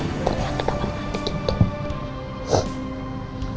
teriak ke kamar mandi gitu